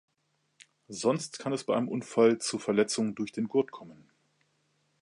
Sonst kann es bei einem Unfall zu Verletzungen durch den Gurt kommen.